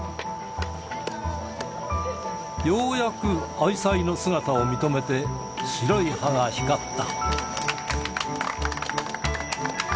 ようやく愛妻の姿を認めて、白い歯が光った。